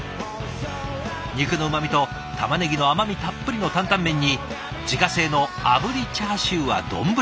肉のうまみとたまねぎの甘みたっぷりの担々麺に自家製のあぶりチャーシューは丼で。